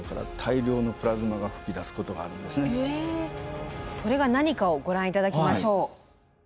ただそれが何かをご覧頂きましょう。